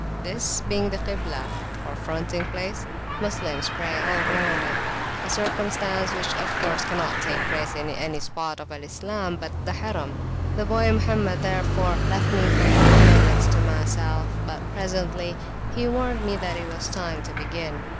This being the Kiblah, or fronting place, Moslems pray all around it; a circumstance which of course cannot take place in any spot of Al Islam but the Harim. The boy Mohammed, therefore, left me for a few minutes to myself; but presently he warned me that it was time to begin.